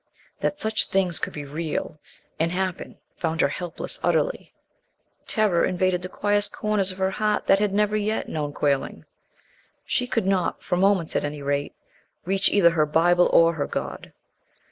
That such things could be real and happen found her helpless utterly. Terror invaded the quietest corners of her heart, that had never yet known quailing. She could not for moments at any rate reach either her Bible or her God.